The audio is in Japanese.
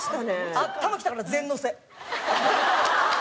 頭きたから全のせ。